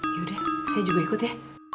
yaudah saya juga ikut ya